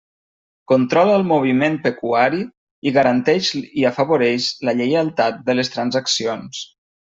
Controla el moviment pecuari i garanteix i afavoreix la lleialtat de les transaccions.